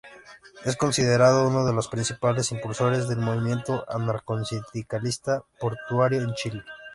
Es considerado uno de los principales impulsores del movimiento anarcosindicalista portuario en Chile.